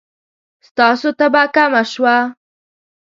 ستاسو تبه کمه شوه؟